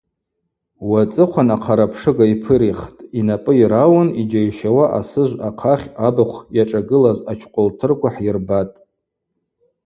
Уацӏыхъван ахъарапшыга йпырихтӏ, йнапӏы йрауын йджьайщауа асыжв ахъахь абыхъв йашӏагылаз ачкъвылтырква хӏйырбатӏ.